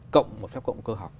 cộng một phép cộng cơ học